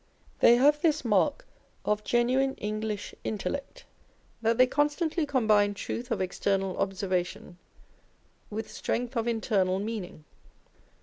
They have this mark of genuine English intellect, that they constantly combine truth of external observation with strength of internal meaning.